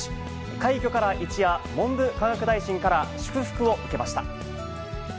快挙から一夜、文部科学大臣から祝福を受けました。